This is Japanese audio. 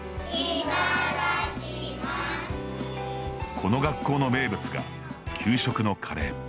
この学校の名物が給食のカレー。